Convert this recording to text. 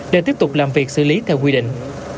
để tiếp tục làm việc xử lý theo quy định